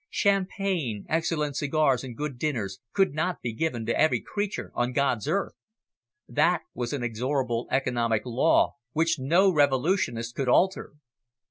Champagne, excellent cigars, and good dinners could not be given to every creature on God's earth. That was an inexorable economic law, which no revolutionist could alter.